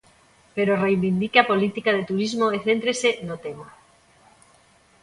Pero reivindique a política de turismo e céntrese no tema.